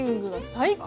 最高。